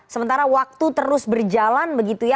sementara waktu terus berjalan begitu ya